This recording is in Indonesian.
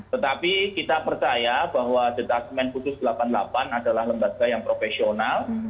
tetapi kita percaya bahwa detasmen khusus delapan puluh delapan adalah lembaga yang profesional